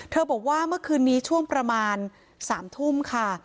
บอกว่าเมื่อคืนนี้ช่วงประมาณ๓ทุ่มค่ะ